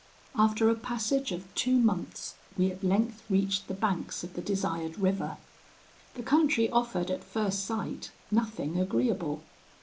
"'After a passage of two months, we at length reached the banks of the desired river. The country offered at first sight nothing agreeable.